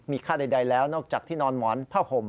ค่าใดแล้วนอกจากที่นอนหมอนผ้าห่ม